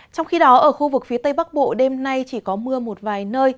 trong khi đó ở khu vực phía tây bắc bộ đêm nay chỉ có mưa một vài nơi